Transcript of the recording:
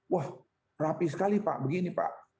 wah rapi sekali pak begini pak